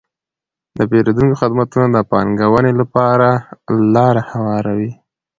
د پیرودونکو خدمتونه د پانګونې لپاره لاره هواروي.